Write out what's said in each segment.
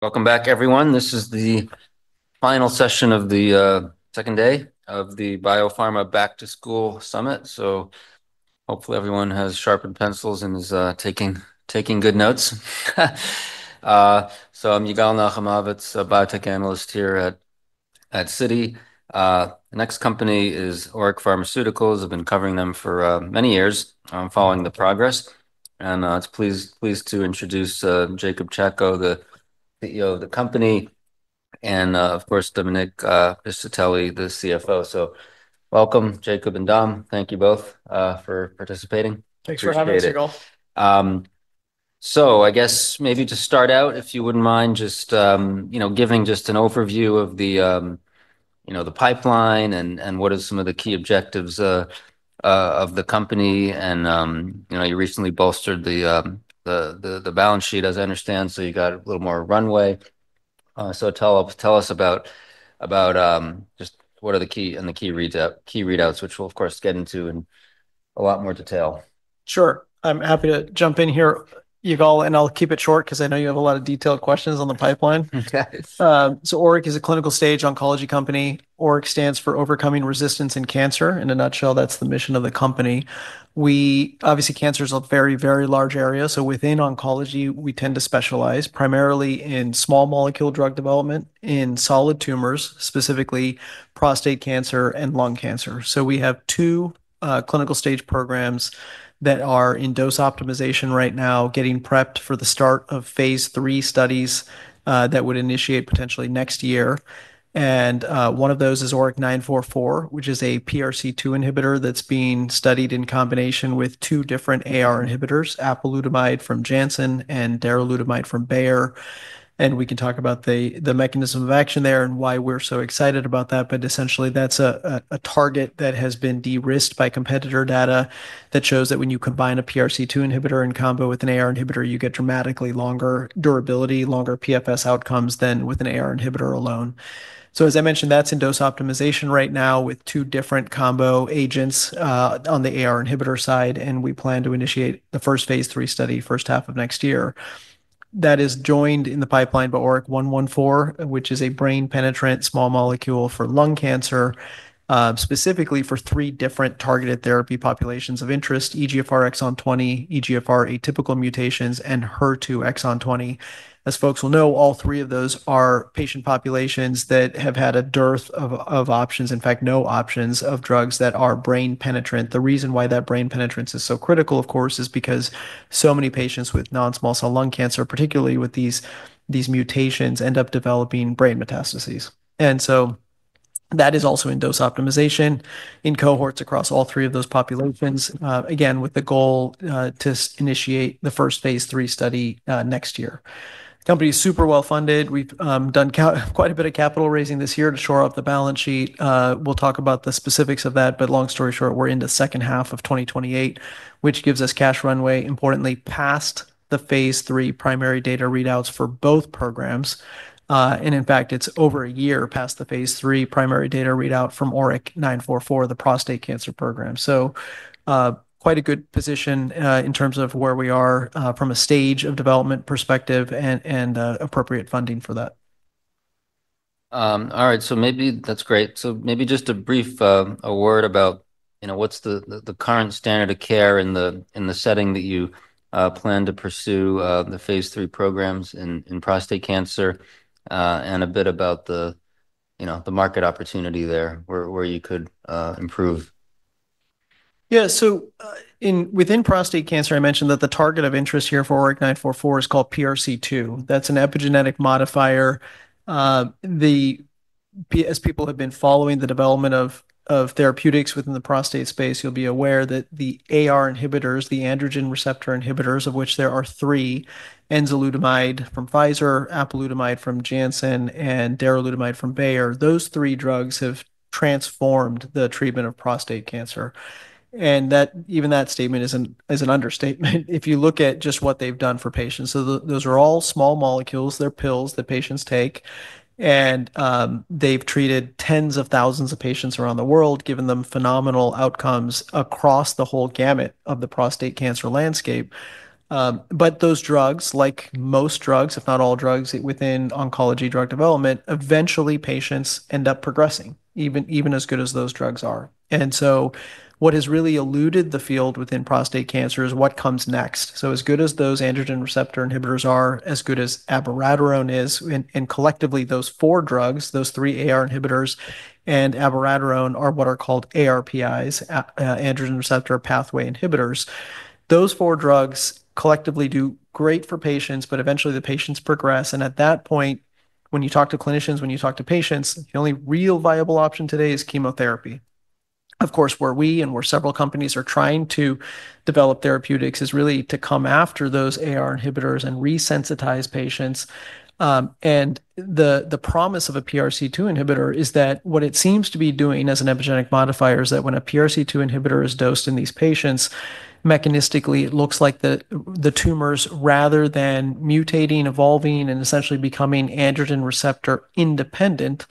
... Welcome back, everyone. This is the final session of the second day of the Biopharma Back to School Summit. So hopefully everyone has sharpened pencils and is taking good notes. So I'm Yigal Nochomovitz, a biotech analyst here at Citi. The next company is ORIC Pharmaceuticals. I've been covering them for many years, following the progress. And pleased to introduce Jacob Chacko, the CEO of the company, and of course, Dominic Piscitelli, the CFO. So welcome, Jacob and Dom. Thank you both for participating. Thanks for having us, Yigal. Appreciate it. So I guess maybe to start out, if you wouldn't mind, just you know, giving just an overview of the you know, the pipeline and what are some of the key objectives of the company, and you know, you recently bolstered the balance sheet, as I understand, so you got a little more runway, so tell us about just what are the key readouts, which we'll of course get into in a lot more detail. Sure. I'm happy to jump in here, Yigal, and I'll keep it short 'cause I know you have a lot of detailed questions on the pipeline. Okay. So ORIC is a clinical stage oncology company. ORIC stands for Overcoming Resistance in Cancer. In a nutshell, that's the mission of the company. We obviously, cancer is a very, very large area, so within oncology, we tend to specialize primarily in small molecule drug development in solid tumors, specifically prostate cancer and lung cancer. So we have two clinical stage programs that are in dose optimization right now, getting prepped for the start of phase 3 studies that would initiate potentially next year. And one of those is ORIC-944, which is a PRC2 inhibitor that's being studied in combination with two different AR inhibitors, apalutamide from Janssen and darolutamide from Bayer. And we can talk about the mechanism of action there and why we're so excited about that. But essentially, that's a target that has been de-risked by competitor data that shows that when you combine a PRC2 inhibitor in combo with an AR inhibitor, you get dramatically longer durability, longer PFS outcomes than with an AR inhibitor alone. So as I mentioned, that's in dose optimization right now with two different combo agents on the AR inhibitor side, and we plan to initiate the first phase 3 study first half of next year. That is joined in the pipeline by ORIC-114, which is a brain-penetrant small molecule for lung cancer, specifically for three different targeted therapy populations of interest: EGFR exon 20, EGFR atypical mutations, and HER2 exon 20. As folks will know, all three of those are patient populations that have had a dearth of options, in fact, no options, of drugs that are brain penetrant. The reason why that brain penetrance is so critical, of course, is because so many patients with non-small cell lung cancer, particularly with these mutations, end up developing brain metastases. And so that is also in dose optimization in cohorts across all three of those populations, again, with the goal to initiate the first phase 3 study next year. Company is super well-funded. We've done quite a bit of capital raising this year to shore up the balance sheet. We'll talk about the specifics of that, but long story short, we're in the second half of 2028, which gives us cash runway, importantly, past the phase 3 primary data readouts for both programs. And in fact, it's over a year past the phase 3 primary data readout from ORIC-944, the prostate cancer program. Quite a good position, in terms of where we are, from a stage of development perspective and appropriate funding for that. All right. So maybe... That's great. So maybe just a brief, a word about, you know, what's the current standard of care in the setting that you plan to pursue, the phase 3 programs in prostate cancer, and a bit about, you know, the market opportunity there, where you could improve. Yeah. So within prostate cancer, I mentioned that the target of interest here for ORIC-944 is called PRC2. That's an epigenetic modifier. As people have been following the development of therapeutics within the prostate space, you'll be aware that the AR inhibitors, the androgen receptor inhibitors, of which there are three: enzalutamide from Pfizer, apalutamide from Janssen, and darolutamide from Bayer. Those three drugs have transformed the treatment of prostate cancer, and that even that statement is an understatement, if you look at just what they've done for patients. So those are all small molecules. They're pills that patients take, and they've treated tens of thousands of patients around the world, giving them phenomenal outcomes across the whole gamut of the prostate cancer landscape. But those drugs, like most drugs, if not all drugs within oncology drug development, eventually patients end up progressing, even as good as those drugs are. And so what has really eluded the field within prostate cancer is what comes next. So as good as those androgen receptor inhibitors are, as good as abiraterone is, and collectively, those four drugs, those three AR inhibitors and abiraterone, are what are called ARPIs, androgen receptor pathway inhibitors. Those four drugs collectively do great for patients, but eventually, the patients progress, and at that point, when you talk to clinicians, when you talk to patients, the only real viable option today is chemotherapy. Of course, where we and where several companies are trying to develop therapeutics is really to come after those AR inhibitors and resensitize patients. The promise of a PRC2 inhibitor is that what it seems to be doing as an epigenetic modifier is that when a PRC2 inhibitor is dosed in these patients, mechanistically, it looks like the tumors, rather than mutating, evolving, and essentially becoming androgen receptor independent,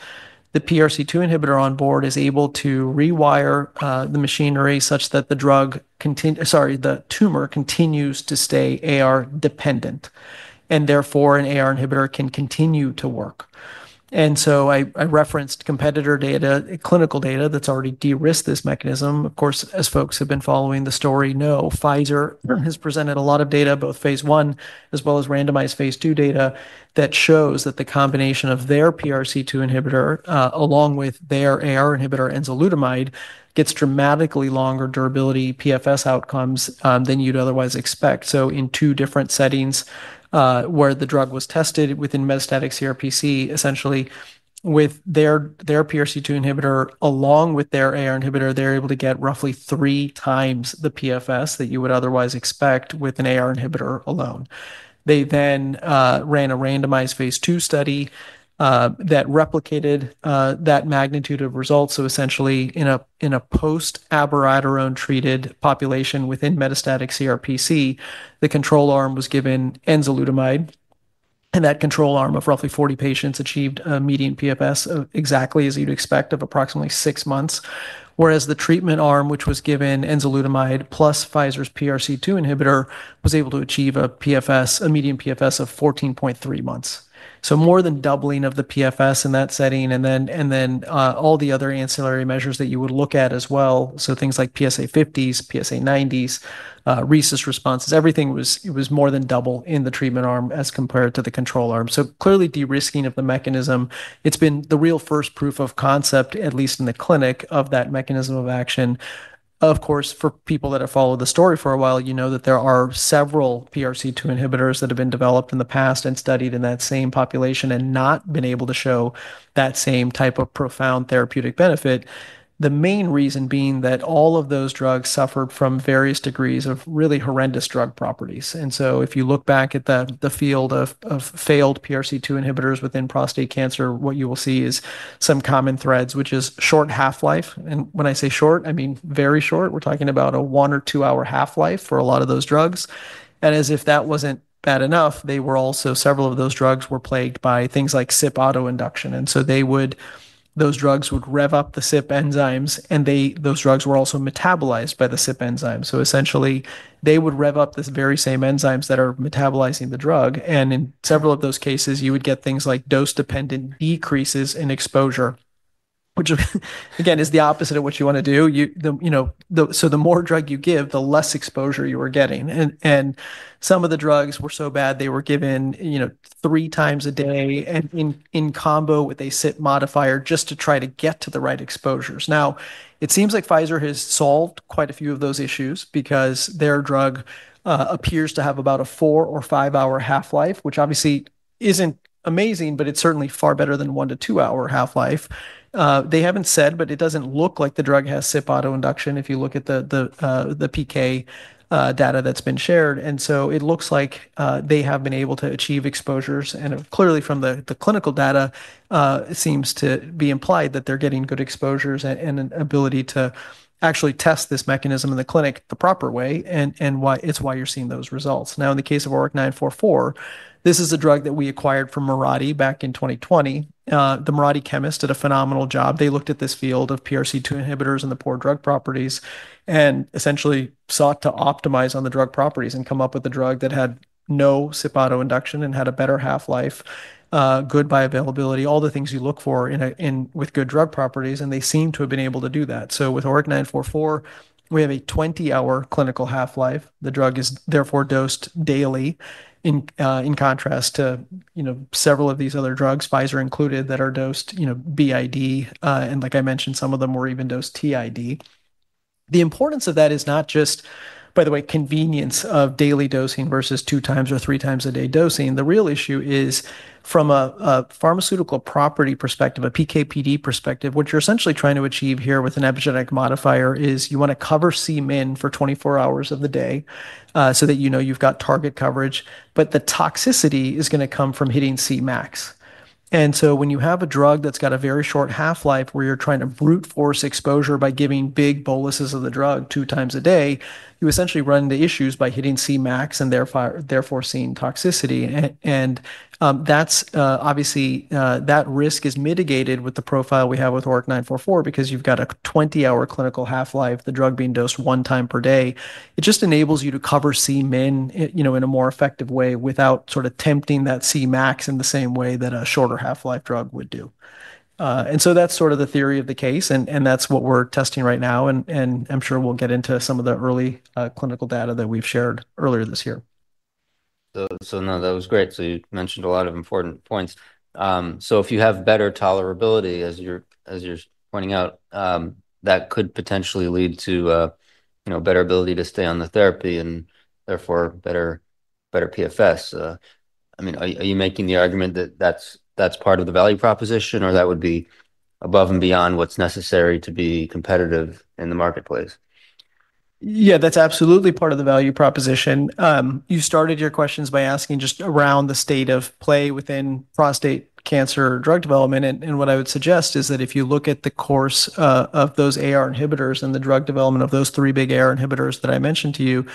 the PRC2 inhibitor on board is able to rewire the machinery such that the tumor continues to stay AR dependent, and therefore an AR inhibitor can continue to work. And so I referenced competitor data, clinical data that's already de-risked this mechanism. Of course, as folks who have been following the story know, Pfizer has presented a lot of data, both phase I as well as randomized phase II data, that shows that the combination of their PRC2 inhibitor along with their AR inhibitor, enzalutamide, gets dramatically longer durability PFS outcomes than you'd otherwise expect, so in two different settings where the drug was tested within metastatic CRPC, essentially with their PRC2 inhibitor along with their AR inhibitor, they're able to get roughly three times the PFS that you would otherwise expect with an AR inhibitor alone, they then ran a randomized phase II study that replicated that magnitude of results. So essentially, in a post abiraterone-treated population within metastatic CRPC, the control arm was given enzalutamide, and that control arm of roughly 40 patients achieved a median PFS of exactly as you'd expect, of approximately 6 months. Whereas the treatment arm, which was given enzalutamide plus Pfizer's PRC2 inhibitor, was able to achieve a median PFS of 14.3 months. So more than doubling of the PFS in that setting, and then all the other ancillary measures that you would look at as well. So things like PSA fifties, PSA nineties, RECIST responses, everything was more than double in the treatment arm as compared to the control arm. So clearly, de-risking of the mechanism, it's been the real first proof of concept, at least in the clinic, of that mechanism of action. Of course, for people that have followed the story for a while, you know that there are several PRC2 inhibitors that have been developed in the past and studied in that same population, and not been able to show that same type of profound therapeutic benefit. The main reason being that all of those drugs suffered from various degrees of really horrendous drug properties. And so if you look back at the field of failed PRC2 inhibitors within prostate cancer, what you will see is some common threads, which is short half-life. And when I say short, I mean very short. We're talking about a one or two-hour half-life for a lot of those drugs. And as if that wasn't bad enough, several of those drugs were plagued by things like CYP autoinduction. And so they would, those drugs would rev up the CYP enzymes, and they, those drugs were also metabolized by the CYP enzyme. So essentially, they would rev up the very same enzymes that are metabolizing the drug, and in several of those cases, you would get things like dose-dependent decreases in exposure, which, again, is the opposite of what you wanna do. You know, so the more drug you give, the less exposure you are getting, and some of the drugs were so bad, they were given, you know, three times a day and in combo with a CYP modifier, just to try to get to the right exposures. Now, it seems like Pfizer has solved quite a few of those issues because their drug appears to have about a four- or five-hour half-life, which obviously isn't amazing, but it's certainly far better than one- to two-hour half-life. They haven't said, but it doesn't look like the drug has CYP autoinduction if you look at the PK data that's been shared. And so it looks like they have been able to achieve exposures, and clearly from the clinical data it seems to be implied that they're getting good exposures and an ability to actually test this mechanism in the clinic the proper way, and why it's why you're seeing those results. Now, in the case of ORIC-944, this is a drug that we acquired from Mirati back in 2020. The Mirati chemists did a phenomenal job. They looked at this field of PRC2 inhibitors and the poor drug properties, and essentially sought to optimize on the drug properties and come up with a drug that had no CYP autoinduction and had a better half-life, good bioavailability, all the things you look for in with good drug properties, and they seem to have been able to do that. So with ORIC-944, we have a 20-hour clinical half-life. The drug is therefore dosed daily in contrast to, you know, several of these other drugs, Pfizer included, that are dosed, you know, BID. And like I mentioned, some of them were even dosed TID. The importance of that is not just, by the way, convenience of daily dosing versus two times or three times a day dosing. The real issue is from a pharmaceutical property perspective, a PK/PD perspective, what you're essentially trying to achieve here with an epigenetic modifier is you wanna cover Cmin for 24 hours of the day, so that you know you've got target coverage, but the toxicity is gonna come from hitting Cmax. And so when you have a drug that's got a very short half-life, where you're trying to brute force exposure by giving big boluses of the drug two times a day, you essentially run into issues by hitting Cmax and therefore seeing toxicity. And that's obviously that risk is mitigated with the profile we have with ORIC-944, because you've got a 20-hour clinical half-life, the drug being dosed one time per day. It just enables you to cover Cmin, you know, in a more effective way, without sort of tempting that Cmax in the same way that a shorter half-life drug would do, and so that's sort of the theory of the case, and that's what we're testing right now, and I'm sure we'll get into some of the early clinical data that we've shared earlier this year. So, no, that was great. So you mentioned a lot of important points. So if you have better tolerability, as you're pointing out, that could potentially lead to, you know, better ability to stay on the therapy and therefore better PFS. I mean, are you making the argument that that's part of the value proposition, or that would be above and beyond what's necessary to be competitive in the marketplace? Yeah, that's absolutely part of the value proposition. You started your questions by asking just around the state of play within prostate cancer drug development, and what I would suggest is that if you look at the course of those AR inhibitors and the drug development of those three big AR inhibitors that I mentioned to you,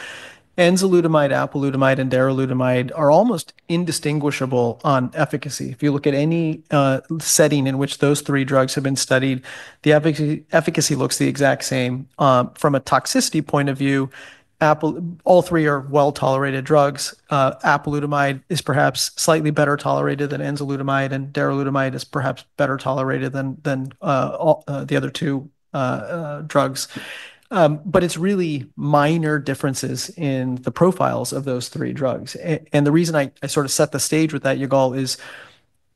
enzalutamide, apalutamide, and darolutamide are almost indistinguishable on efficacy. If you look at any setting in which those three drugs have been studied, the efficacy looks the exact same. From a toxicity point of view, all three are well-tolerated drugs. Apalutamide is perhaps slightly better tolerated than enzalutamide, and darolutamide is perhaps better tolerated than all the other two drugs. But it's really minor differences in the profiles of those three drugs. And the reason I sort of set the stage with that, Yigal, is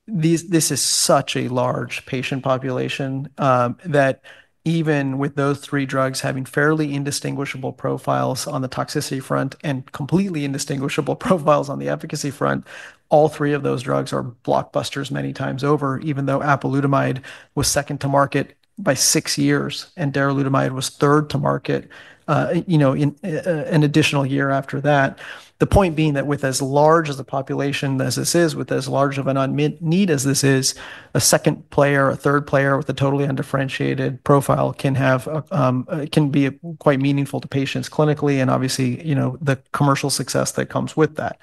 this is such a large patient population, that even with those three drugs having fairly indistinguishable profiles on the toxicity front and completely indistinguishable profiles on the efficacy front, all three of those drugs are blockbusters many times over, even though apalutamide was second to market by six years, and darolutamide was third to market, you know, in an additional year after that. The point being that with as large as the population as this is, with as large of an unmet need as this is, a second player or a third player with a totally undifferentiated profile can have, it can be quite meaningful to patients clinically, and obviously, you know, the commercial success that comes with that.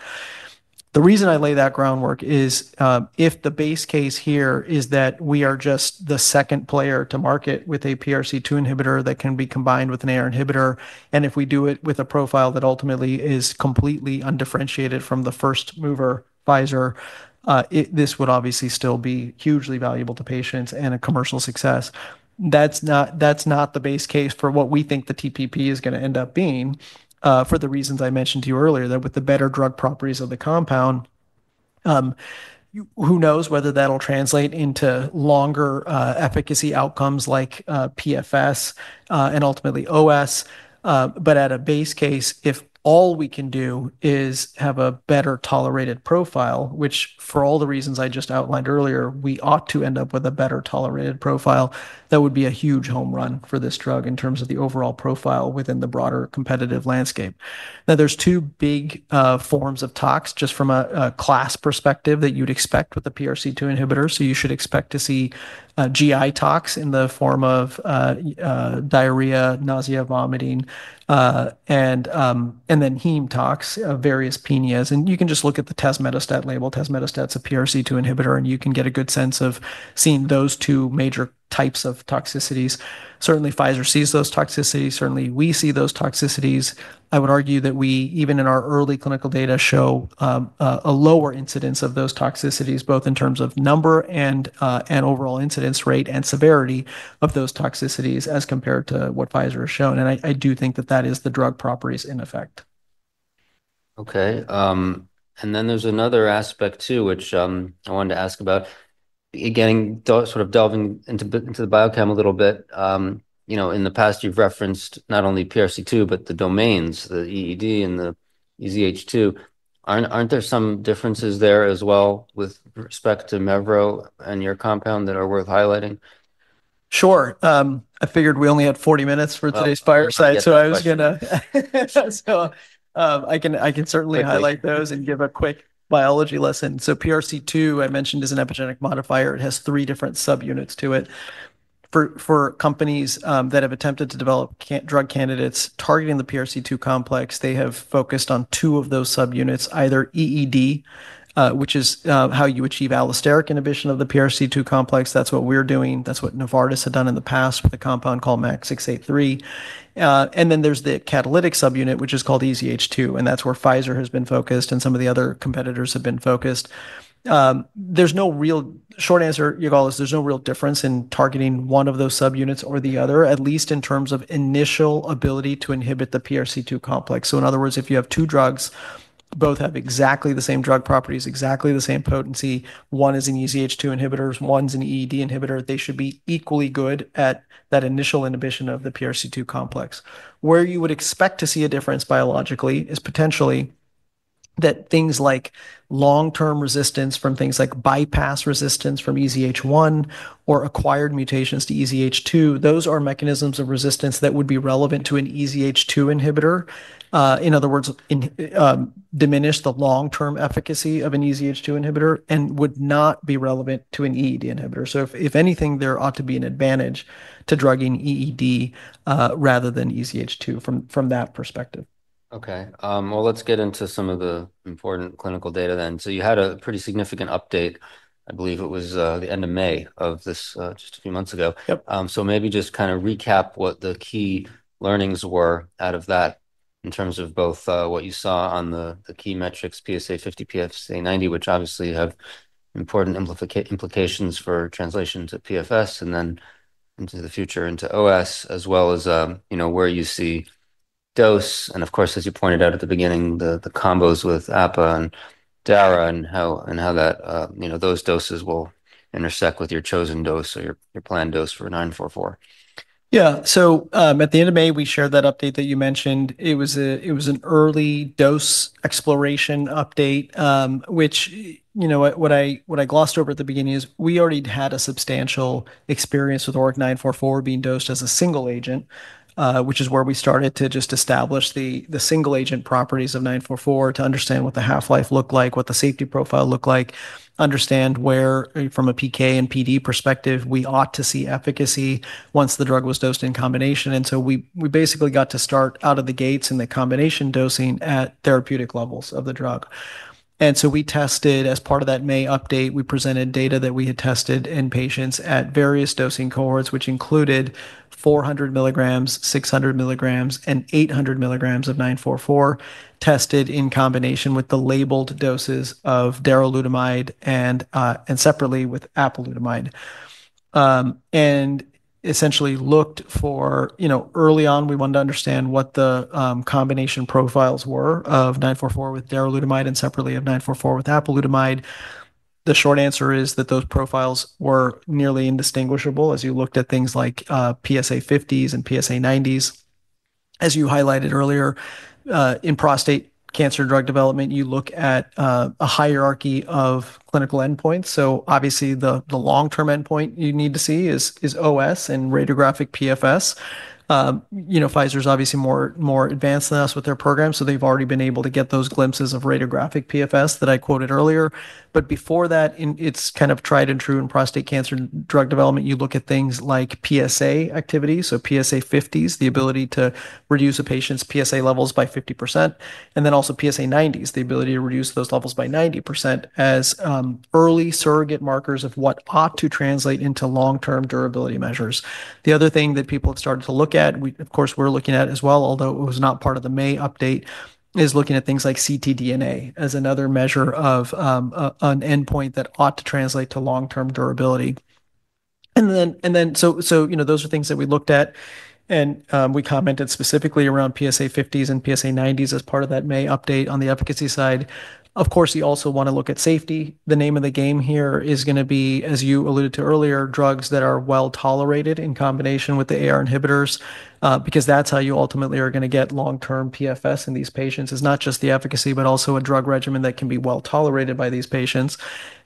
The reason I lay that groundwork is, if the base case here is that we are just the second player to market with a PRC2 inhibitor that can be combined with an AR inhibitor, and if we do it with a profile that ultimately is completely undifferentiated from the first mover, Pfizer, this would obviously still be hugely valuable to patients and a commercial success. That's not, that's not the base case for what we think the TPP is gonna end up being, for the reasons I mentioned to you earlier, that with the better drug properties of the compound, who knows whether that'll translate into longer, efficacy outcomes like, PFS, and ultimately OS? But at a base case, if all we can do is have a better-tolerated profile, which for all the reasons I just outlined earlier, we ought to end up with a better-tolerated profile, that would be a huge home run for this drug in terms of the overall profile within the broader competitive landscape. Now, there's two big forms of tox, just from a class perspective, that you'd expect with the PRC2 inhibitor, so you should expect to see GI tox in the form of diarrhea, nausea, vomiting, and then heme tox, various penias. And you can just look at the tazemetostat label. Tazemetostat's a PRC2 inhibitor, and you can get a good sense of seeing those two major types of toxicities. Certainly, Pfizer sees those toxicities. Certainly, we see those toxicities. I would argue that we, even in our early clinical data, show a lower incidence of those toxicities, both in terms of number and overall incidence rate and severity of those toxicities as compared to what Pfizer has shown, and I do think that that is the drug properties in effect. Okay, and then there's another aspect too, which I wanted to ask about. Again, sort of delving into the biochem a little bit, you know, in the past, you've referenced not only PRC2, but the domains, the EED and the EZH2. Aren't there some differences there as well with respect to mevro and your compound that are worth highlighting? Sure. I figured we only had forty minutes for today's fireside- Oh, forget the question.... so I was gonna, I can certainly- Thank you... highlight those and give a quick biology lesson. So PRC2, I mentioned, is an epigenetic modifier. It has three different subunits to it. For companies that have attempted to develop drug candidates targeting the PRC2 complex, they have focused on two of those subunits, either EED, which is how you achieve allosteric inhibition of the PRC2 complex. That's what we're doing. That's what Novartis had done in the past with a compound called MAK683. And then there's the catalytic subunit, which is called EZH2, and that's where Pfizer has been focused and some of the other competitors have been focused. There's no real... Short answer, Yigal, is there's no real difference in targeting one of those subunits or the other, at least in terms of initial ability to inhibit the PRC2 complex. So in other words, if you have two drugs, both have exactly the same drug properties, exactly the same potency, one is an EZH2 inhibitor, one's an EED inhibitor, they should be equally good at that initial inhibition of the PRC2 complex. Where you would expect to see a difference biologically is potentially that things like long-term resistance from things like bypass resistance from EZH1 or acquired mutations to EZH2, those are mechanisms of resistance that would be relevant to an EZH2 inhibitor. In other words, diminish the long-term efficacy of an EZH2 inhibitor and would not be relevant to an EED inhibitor. So if anything, there ought to be an advantage to drugging EED rather than EZH2 from that perspective. Okay, well, let's get into some of the important clinical data then. So you had a pretty significant update. I believe it was the end of May of this, just a few months ago. Yep. So maybe just kind of recap what the key learnings were out of that in terms of both what you saw on the key metrics, PSA fifty, PSA ninety, which obviously have important implications for translation to PFS, and then into the future into OS, as well as you know, where you see dose, and of course, as you pointed out at the beginning, the combos with APA and Dara and how and how that you know, those doses will intersect with your chosen dose or your planned dose for ORIC-944.... Yeah. So at the end of May, we shared that update that you mentioned. It was an early dose exploration update, which, you know, what I glossed over at the beginning is we already had a substantial experience with ORIC-944 being dosed as a single agent, which is where we started to just establish the single agent properties of nine four four to understand what the half-life looked like, what the safety profile looked like, understand where, from a PK and PD perspective, we ought to see efficacy once the drug was dosed in combination. And so we basically got to start out of the gates in the combination dosing at therapeutic levels of the drug. We tested, as part of that May update, we presented data that we had tested in patients at various dosing cohorts, which included 400 milligrams, 600 milligrams, and 800 milligrams of ORIC-944, tested in combination with the labeled doses of darolutamide and separately with apalutamide. We essentially looked for, you know, early on, we wanted to understand what the combination profiles were of ORIC-944 with darolutamide and separately of ORIC-944 with apalutamide. The short answer is that those profiles were nearly indistinguishable as you looked at things like PSA50s and PSA90s. As you highlighted earlier, in prostate cancer drug development, you look at a hierarchy of clinical endpoints. Obviously, the long-term endpoint you need to see is OS and radiographic PFS. You know, Pfizer's obviously more advanced than us with their program, so they've already been able to get those glimpses of radiographic PFS that I quoted earlier. But before that, it's kind of tried and true in prostate cancer drug development. You look at things like PSA activity, so PSA 50s, the ability to reduce a patient's PSA levels by 50%, and then also PSA 90s, the ability to reduce those levels by 90%, as early surrogate markers of what ought to translate into long-term durability measures. The other thing that people have started to look at, we, of course, we're looking at as well, although it was not part of the May update, is looking at things like ctDNA as another measure of an endpoint that ought to translate to long-term durability. You know, those are things that we looked at, and we commented specifically around PSA fifties and PSA nineties as part of that May update on the efficacy side. Of course, you also want to look at safety. The name of the game here is gonna be, as you alluded to earlier, drugs that are well-tolerated in combination with the AR inhibitors, because that's how you ultimately are gonna get long-term PFS in these patients. It's not just the efficacy, but also a drug regimen that can be well-tolerated by these patients.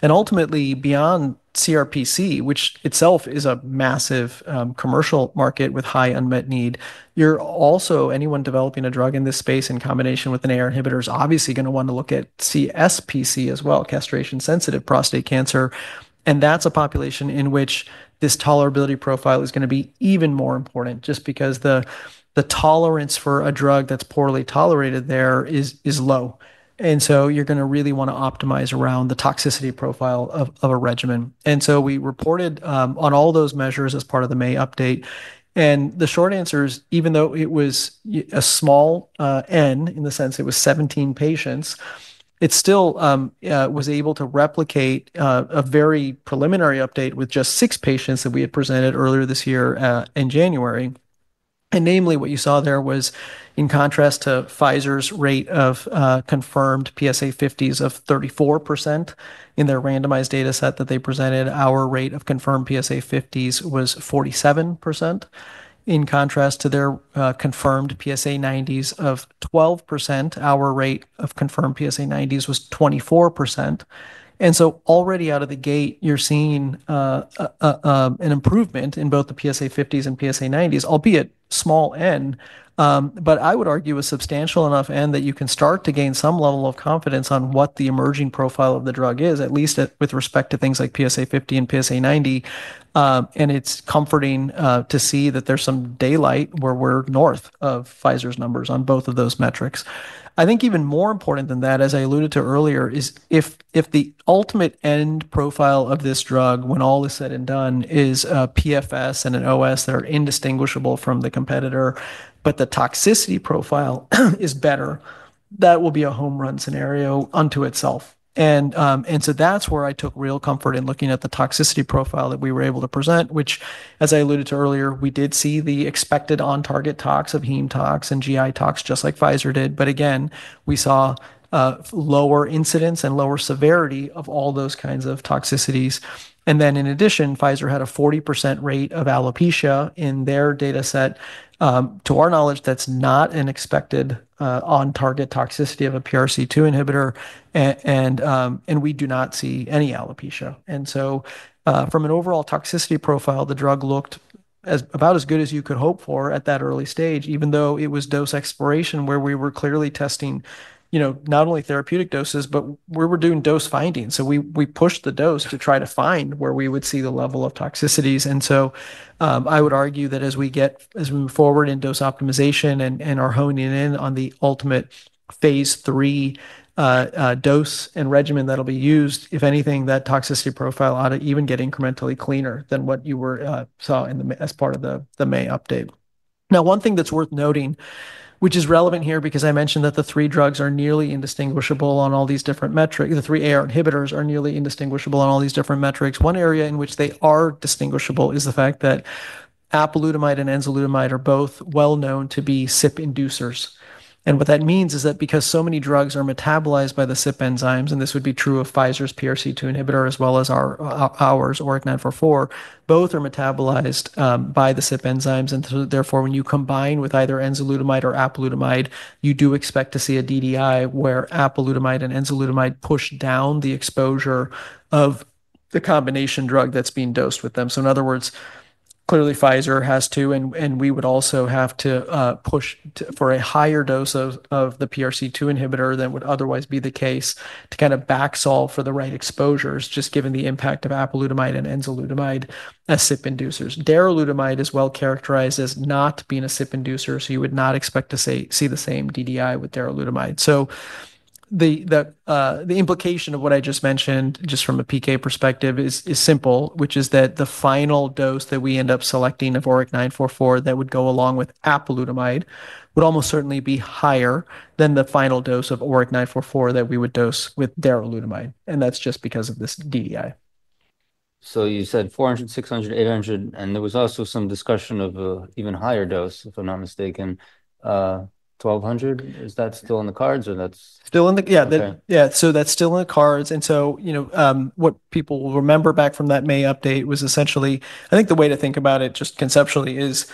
Ultimately, beyond CRPC, which itself is a massive commercial market with high unmet need, you're also... Anyone developing a drug in this space in combination with an AR inhibitor is obviously gonna want to look at CSPC as well, castration-sensitive prostate cancer, and that's a population in which this tolerability profile is gonna be even more important, just because the tolerance for a drug that's poorly tolerated there is low. And so you're gonna really want to optimize around the toxicity profile of a regimen. And so we reported on all those measures as part of the May update. And the short answer is, even though it was a small N, in the sense it was seventeen patients, it still was able to replicate a very preliminary update with just six patients that we had presented earlier this year in January. Namely, what you saw there was, in contrast to Pfizer's rate of confirmed PSA fifties of 34% in their randomized data set that they presented, our rate of confirmed PSA fifties was 47%. In contrast to their confirmed PSA nineties of 12%, our rate of confirmed PSA nineties was 24%. So already out of the gate, you're seeing an improvement in both the PSA fifties and PSA nineties, albeit small N, but I would argue a substantial enough N that you can start to gain some level of confidence on what the emerging profile of the drug is, at least with respect to things like PSA fifty and PSA ninety. It's comforting to see that there's some daylight where we're north of Pfizer's numbers on both of those metrics. I think even more important than that, as I alluded to earlier, is if the ultimate end profile of this drug, when all is said and done, is a PFS and an OS that are indistinguishable from the competitor, but the toxicity profile is better, that will be a home-run scenario unto itself. And, and so that's where I took real comfort in looking at the toxicity profile that we were able to present, which, as I alluded to earlier, we did see the expected on-target tox of heme tox and GI tox, just like Pfizer did. But again, we saw, lower incidence and lower severity of all those kinds of toxicities. And then, in addition, Pfizer had a 40% rate of alopecia in their data set. To our knowledge, that's not an expected on-target toxicity of a PRC2 inhibitor, and we do not see any alopecia, and so, from an overall toxicity profile, the drug looked about as good as you could hope for at that early stage, even though it was dose exploration, where we were clearly testing, you know, not only therapeutic doses, but we were doing dose finding. So we pushed the dose to try to find where we would see the level of toxicities. I would argue that as we move forward in dose optimization and are honing in on the ultimate phase 3 dose and regimen that'll be used, if anything, that toxicity profile ought to even get incrementally cleaner than what you saw as part of the May update. Now, one thing that's worth noting, which is relevant here, because I mentioned that the three drugs are nearly indistinguishable on all these different metrics, the three AR inhibitors are nearly indistinguishable on all these different metrics. One area in which they are distinguishable is the fact that apalutamide and enzalutamide are both well known to be CYP inducers. What that means is that because so many drugs are metabolized by the CYP enzymes, and this would be true of Pfizer's PRC2 inhibitor, as well as our ORIC-944, both are metabolized by the CYP enzymes. So therefore, when you combine with either enzalutamide or apalutamide, you do expect to see a DDI, where apalutamide and enzalutamide push down the exposure of the combination drug that's being dosed with them. In other words, clearly Pfizer has to, and we would also have to, push to, for a higher dose of the PRC2 inhibitor than would otherwise be the case, to kind of back solve for the right exposures, just given the impact of apalutamide and enzalutamide as CYP inducers. Darolutamide is well characterized as not being a CYP inducer, so you would not expect to see the same DDI with darolutamide. So the implication of what I just mentioned, just from a PK perspective is simple, which is that the final dose that we end up selecting of ORIC-944 that would go along with apalutamide, would almost certainly be higher than the final dose of ORIC-944 that we would dose with darolutamide, and that's just because of this DDI. You said four hundred, six hundred, eight hundred, and there was also some discussion of an even higher dose, if I'm not mistaken. Twelve hundred? Is that still on the cards or that's- Still on the... Yeah, the- Okay. Yeah, so that's still on the cards, and so, you know, what people will remember back from that May update was essentially, I think the way to think about it, just conceptually, is,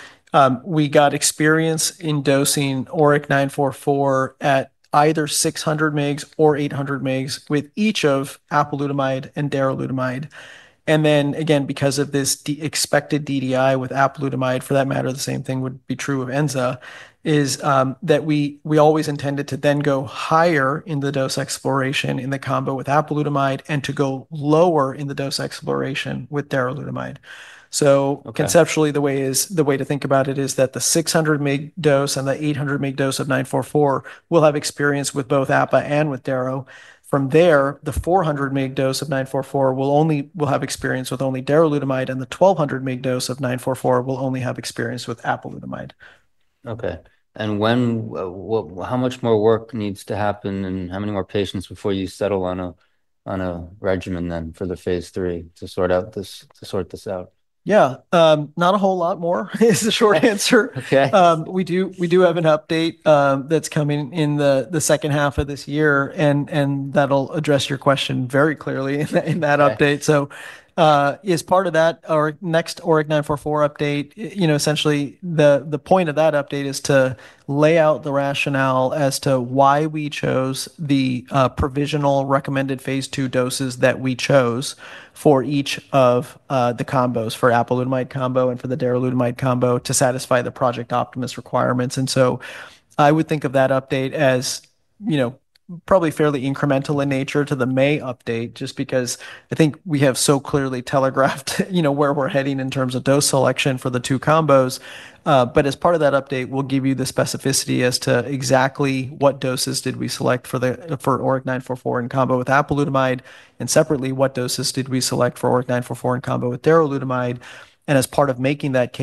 we got experience in dosing ORIC-944 at either 600 mg or 800 mg with each of apalutamide and darolutamide. And then, again, because of this expected DDI with apalutamide, for that matter, the same thing would be true of enza, is, that we always intended to then go higher in the dose exploration in the combo with apalutamide and to go lower in the dose exploration with darolutamide. Okay. Conceptually, the way is, the way to think about it is that the 600 mg dose and the 800 mg dose of ORIC-944 will have experience with both apalutamide and with darolutamide. From there, the 400 mg dose of ORIC-944 will have experience with only darolutamide, and the 1200 mg dose of ORIC-944 will only have experience with apalutamide. Okay. And when, what, how much more work needs to happen, and how many more patients before you settle on a regimen then for the Phase 3 to sort out this, to sort this out? Yeah, not a whole lot more, is the short answer. Okay. We do have an update that's coming in the second half of this year, and that'll address your question very clearly in that update. Yeah. So, as part of that, our next ORIC-944 update, you know, essentially, the point of that update is to lay out the rationale as to why we chose the provisional recommended phase 2 doses that we chose for each of the combos, for apalutamide combo and for the darolutamide combo, to satisfy the Project Optimus requirements. And so I would think of that update as, you know, probably fairly incremental in nature to the May update, just because I think we have so clearly telegraphed, you know, where we're heading in terms of dose selection for the two combos. But as part of that update, we'll give you the specificity as to exactly what doses did we select for ORIC-944 in combo with apalutamide, and separately, what doses did we select for ORIC-944 in combo with darolutamide. As part of making that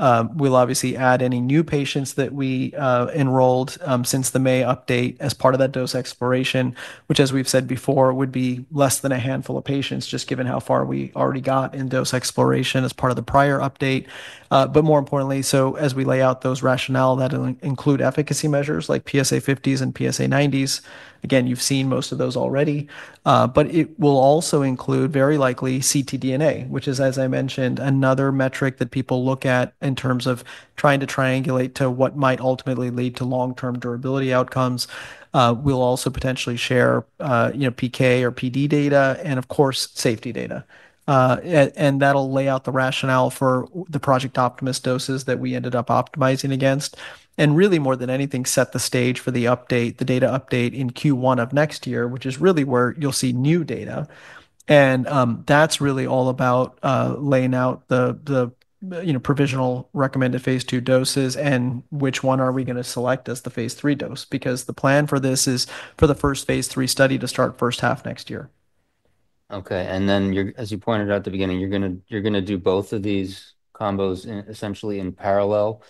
case, we'll obviously add any new patients that we enrolled since the May update as part of that dose exploration, which, as we've said before, would be less than a handful of patients, just given how far we already got in dose exploration as part of the prior update. More importantly, as we lay out those rationale that include efficacy measures like PSA fifties and PSA nineties, again, you've seen most of those already, but it will also include, very likely, ctDNA, which is, as I mentioned, another metric that people look at in terms of trying to triangulate to what might ultimately lead to long-term durability outcomes. We'll also potentially share, you know, PK or PD data and, of course, safety data. And that'll lay out the rationale for the Project Optimus doses that we ended up optimizing against, and really, more than anything, set the stage for the update, the data update in Q1 of next year, which is really where you'll see new data. And that's really all about laying out the you know provisional recommended phase 2 doses and which one are we gonna select as the phase 3 dose, because the plan for this is for the first phase 3 study to start first half next year. Okay, and then you're as you pointed out at the beginning, you're gonna do both of these combos essentially in parallel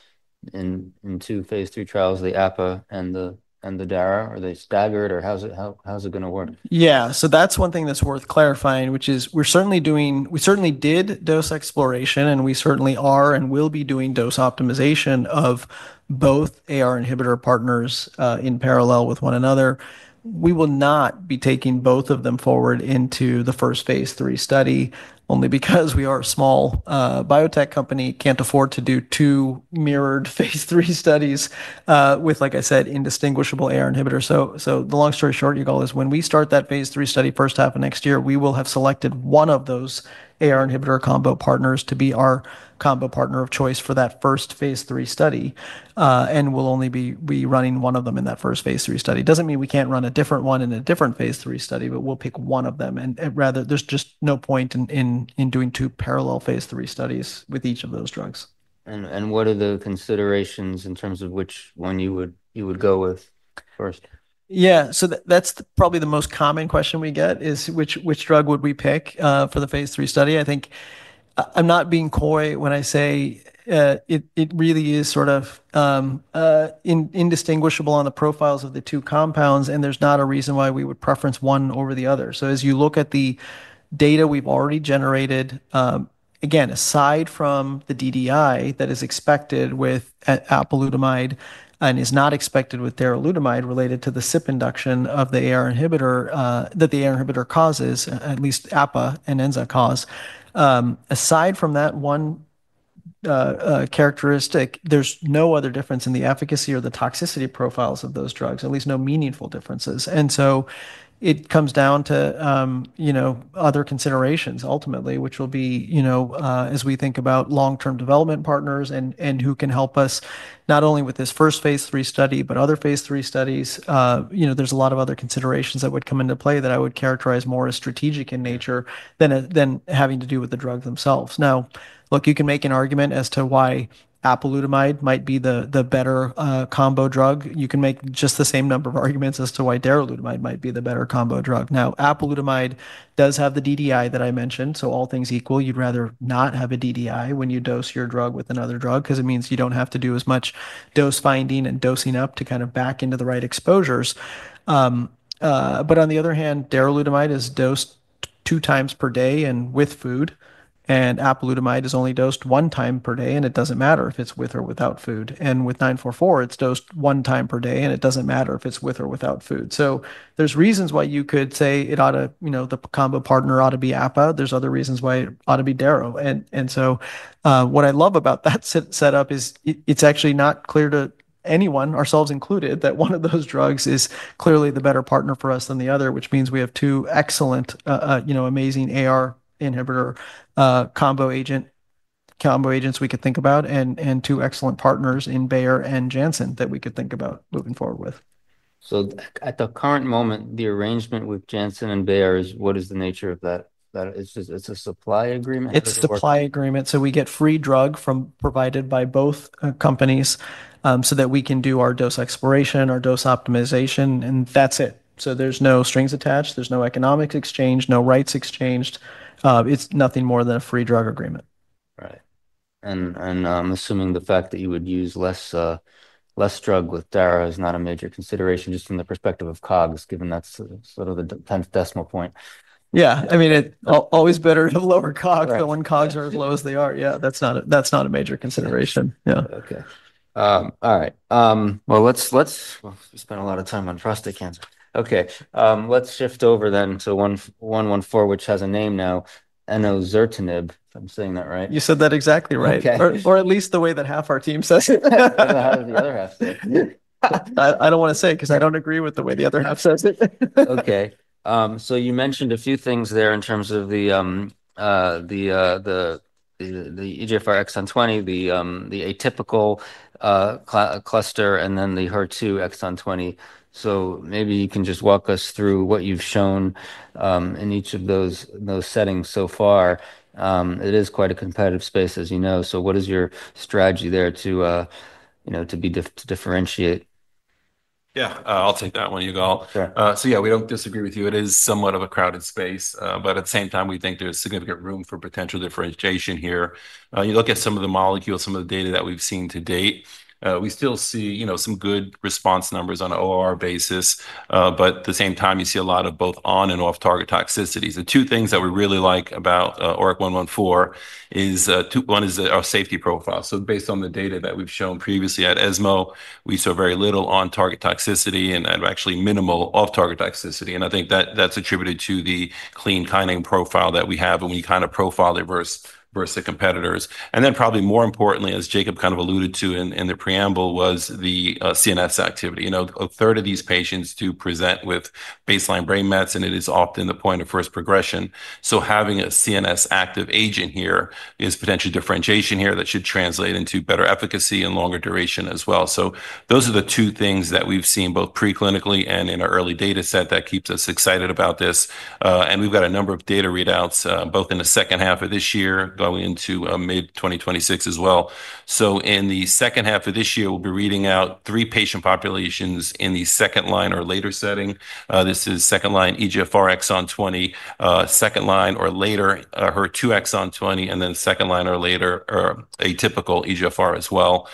in two phase 3 trials, the apalutamide and the darolutamide, or are they staggered, or how's it gonna work? Yeah, so that's one thing that's worth clarifying, which is we're certainly doing, we certainly did dose exploration, and we certainly are and will be doing dose optimization of both AR inhibitor partners in parallel with one another. We will not be taking both of them forward into the first phase 3 study, only because we are a small biotech company, can't afford to do two mirrored phase 3 studies with, like I said, indistinguishable AR inhibitors. So, so the long story short, Yigal, is when we start that phase 3 study first half of next year, we will have selected one of those AR inhibitor combo partners to be our combo partner of choice for that first phase 3 study. And we'll only be running one of them in that first phase 3 study. Doesn't mean we can't run a different one in a different phase 3 study, but we'll pick one of them, and rather, there's just no point in doing two parallel phase 3 studies with each of those drugs. What are the considerations in terms of which one you would go with first? Yeah, so that, that's probably the most common question we get, is which, which drug would we pick, for the phase 3 study? I think I, I'm not being coy when I say, it, it really is sort of, indistinguishable on the profiles of the two compounds, and there's not a reason why we would preference one over the other. So as you look at the data we've already generated, again, aside from the DDI that is expected with apalutamide and is not expected with darolutamide, related to the CYP induction of the AR inhibitor, that the AR inhibitor causes, at least apalutamide and enza cause. Aside from that one characteristic, there's no other difference in the efficacy or the toxicity profiles of those drugs, at least no meaningful differences. And so it comes down to, you know, other considerations ultimately, which will be, you know, as we think about long-term development partners and who can help us not only with this first phase III study, but other phase III studies. You know, there's a lot of other considerations that would come into play that I would characterize more as strategic in nature than having to do with the drugs themselves. Now, look, you can make an argument as to why apalutamide might be the better combo drug. You can make just the same number of arguments as to why darolutamide might be the better combo drug. Now, apalutamide does have the DDI that I mentioned, so all things equal, you'd rather not have a DDI when you dose your drug with another drug, 'cause it means you don't have to do as much dose finding and dosing up to kind of back into the right exposures. But on the other hand, darolutamide is dosed two times per day and with food, and apalutamide is only dosed one time per day, and it doesn't matter if it's with or without food. And with 944, it's dosed one time per day, and it doesn't matter if it's with or without food. So there's reasons why you could say it ought to you know, the combo partner ought to be apal. There's other reasons why it ought to be daro. What I love about that setup is it's actually not clear to anyone, ourselves included, that one of those drugs is clearly the better partner for us than the other, which means we have two excellent, you know, amazing AR inhibitor combo agents we could think about, and two excellent partners in Bayer and Janssen that we could think about moving forward with. At the current moment, the arrangement with Janssen and Bayer is, what is the nature of that? That it's just, it's a supply agreement or? It's a supply agreement. So we get free drug from provided by both companies, so that we can do our dose exploration, our dose optimization, and that's it. So there's no strings attached, there's no economics exchange, no rights exchanged. It's nothing more than a free drug agreement. Right. And I'm assuming the fact that you would use less less drug with daro is not a major consideration just from the perspective of COGS, given that's sort of the tenth decimal point. Yeah. I mean, it's always better to have lower COGS- Right... but when COGS are as low as they are, yeah, that's not a, that's not a major consideration. Yeah. Okay. All right. Well, let's. We've spent a lot of time on prostate cancer. Okay, let's shift over then to one-one-one-four, which has a name now, enosartanib, if I'm saying that right. You said that exactly right. Okay. At least the way that half our team says it. How the other half says it? I, I don't wanna say it, 'cause I don't agree with the way the other half says it. Okay. So you mentioned a few things there in terms of the EGFR exon twenty, the atypical cluster, and then the HER2 exon twenty. So maybe you can just walk us through what you've shown in each of those settings so far. It is quite a competitive space, as you know, so what is your strategy there to, you know, to differentiate? Yeah, I'll take that one, Yigal. Sure. So yeah, we don't disagree with you. It is somewhat of a crowded space, but at the same time, we think there's significant room for potential differentiation here. You look at some of the molecules, some of the data that we've seen to date, we still see, you know, some good response numbers on an ORR basis. But at the same time, you see a lot of both on- and off-target toxicities. The two things that we really like about ORIC-114 is two: one is our safety profile. So based on the data that we've shown previously at ESMO, we saw very little on-target toxicity and actually minimal off-target toxicity, and I think that's attributed to the clean kinome profile that we have when we kind of profile it versus the competitors. And then, probably more importantly, as Jacob kind of alluded to in the preamble, was the CNS activity. You know, a third of these patients do present with baseline brain mets, and it is often the point of first progression. So having a CNS active agent here is potentially differentiation here that should translate into better efficacy and longer duration as well. So those are the two things that we've seen, both preclinically and in our early data set, that keeps us excited about this. And we've got a number of data readouts, both in the second half of this year, going into mid-2026 as well. So in the second half of this year, we'll be reading out three patient populations in the second line or later setting. This is second line, EGFR exon 20, second line or later, HER2 exon 20, and then second line or later, atypical EGFR as well.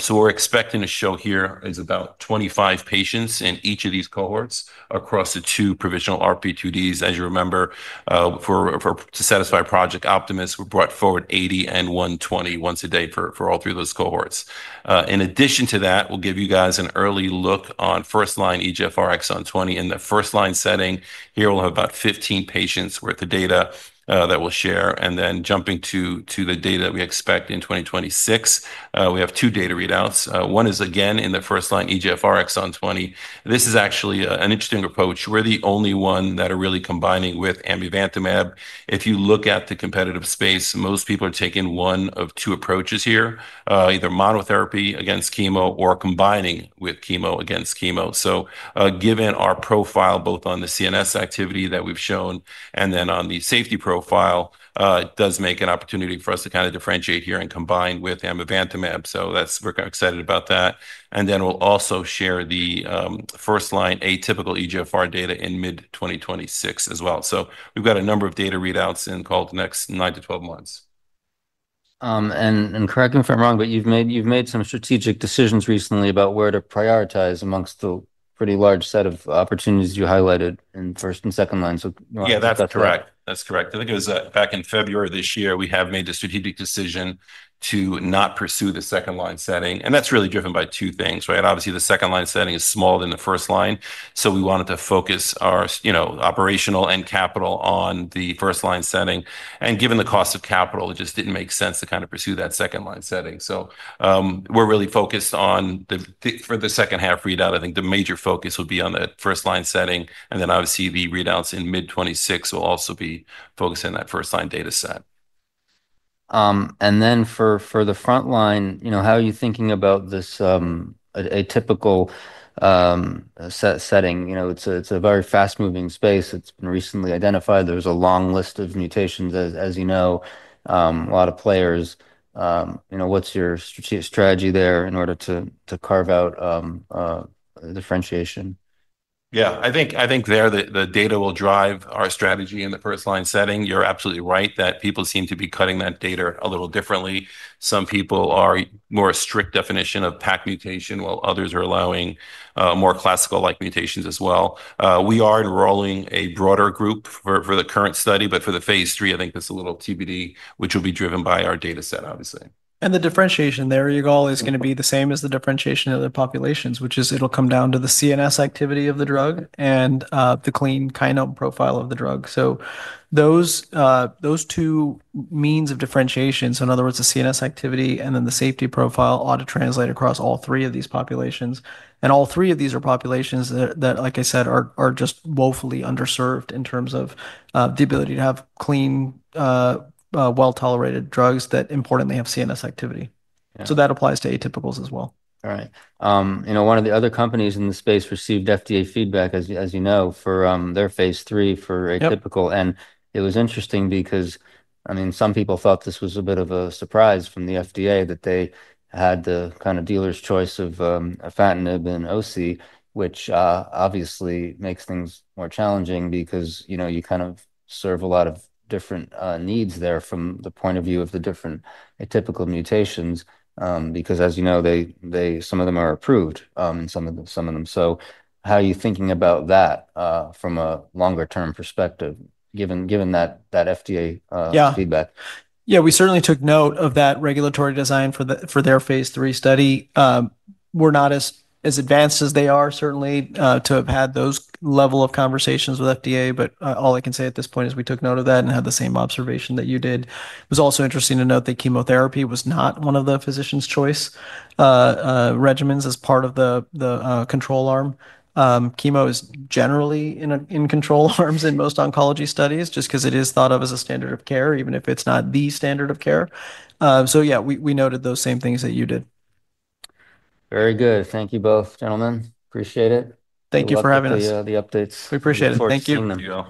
So we're expecting to show here is about 25 patients in each of these cohorts across the two provisional RP2Ds. As you remember, to satisfy Project Optimus, we brought forward 80 and 120 once a day for all three of those cohorts. In addition to that, we'll give you guys an early look on first-line EGFR exon 20. In the first-line setting here, we'll have about 15 patients worth of data that we'll share. Then jumping to the data that we expect in 2026, we have two data readouts. One is again in the first-line EGFR exon 20. This is actually an interesting approach. We're the only one that are really combining with amivantamab. If you look at the competitive space, most people are taking one of two approaches here, either monotherapy against chemo or combining with chemo against chemo. So, given our profile, both on the CNS activity that we've shown, and then on the safety profile, it does make an opportunity for us to kind of differentiate here and combine with amivantamab. So that's. We're excited about that. And then we'll also share the first-line atypical EGFR data in mid 2026 as well. So we've got a number of data readouts in call it the next nine to 12 months. Correct me if I'm wrong, but you've made some strategic decisions recently about where to prioritize among the pretty large set of opportunities you highlighted in first and second line, so. Yeah, that's correct. That's correct. I think it was back in February of this year, we have made a strategic decision to not pursue the second-line setting, and that's really driven by two things, right? Obviously, the second-line setting is smaller than the first line, so we wanted to focus our you know, operational and capital on the first-line setting. And given the cost of capital, it just didn't make sense to kind of pursue that second-line setting. So, we're really focused on the for the second half readout, I think the major focus will be on the first-line setting, and then obviously the readouts in mid 2026 will also be focused on that first-line data set. And then for the front line, you know, how are you thinking about this atypical setting? You know, it's a very fast-moving space. It's been recently identified. There's a long list of mutations, as you know, a lot of players. You know, what's your strategy there in order to carve out differentiation? Yeah, I think that the data will drive our strategy in the first-line setting. You're absolutely right that people seem to be cutting that data a little differently. Some people are more a strict definition of PACC mutation while others are allowing more classical-like mutations as well. We are enrolling a broader group for the current study, but for the phase 3, I think that's a little TBD, which will be driven by our data set, obviously. The differentiation there, Yigal, is gonna be the same as the differentiation of the populations, which is it'll come down to the CNS activity of the drug and the clean kinome profile of the drug. Those two means of differentiation, so in other words, the CNS activity and then the safety profile, ought to translate across all three of these populations. All three of these are populations that, like I said, are just woefully underserved in terms of the ability to have clean, well-tolerated drugs that importantly have CNS activity. Yeah. So that applies to atypicals as well. All right. You know, one of the other companies in the space received FDA feedback, as you know, for their phase 3 for atypical. Yep. It was interesting because, I mean, some people thought this was a bit of a surprise from the FDA, that they had the kind of dealer's choice of afatinib and osi, which obviously makes things more challenging because, you know, you kind of serve a lot of different needs there from the point of view of the different atypical mutations. Because as you know, some of them are approved, and some of them... So how are you thinking about that from a longer term perspective, given that FDA? Yeah... feedback? Yeah, we certainly took note of that regulatory design for the, for their phase 3 study. We're not as advanced as they are, certainly, to have had those level of conversations with FDA. But all I can say at this point is we took note of that and had the same observation that you did. It was also interesting to note that chemotherapy was not one of the physician's choice regimens as part of the control arm. Chemo is generally in control arms in most oncology studies, just 'cause it is thought of as a standard of care, even if it's not the standard of care. So yeah, we noted those same things that you did. Very good. Thank you both, gentlemen. Appreciate it. Thank you for having us. We'll look for the updates- We appreciate it. Look forward to seeing them. Thank you.